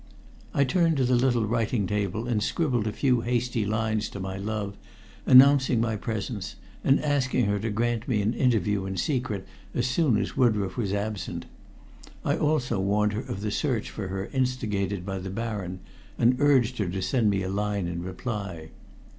I turned to the little writing table and scribbled a few hasty lines to my love, announcing my presence, and asking her to grant me an interview in secret as soon as Woodroffe was absent. I also warned her of the search for her instigated by the Baron, and urged her to send me a line in reply.